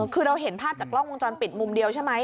คือเราเห็นภาพจากกล้องวงจรปิดมุมเดียวใช่ไหม